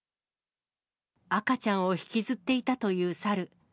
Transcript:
赤ちゃんを引きずっていたというサル。